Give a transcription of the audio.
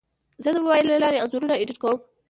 زه د موبایل له لارې انځورونه ایډیټ کوم.